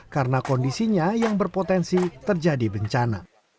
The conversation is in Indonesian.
karena kondisinya yang berpotensi terjadi bencana